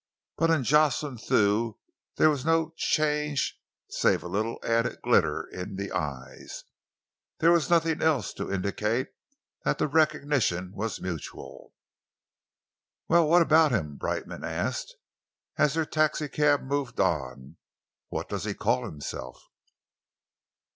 But in Jocelyn Thew there was no change save a little added glitter in the eyes. There was nothing else to indicate that the recognition was mutual. "Well, what about him?" Brightman asked, as their taxicab moved on. "What does he call himself?"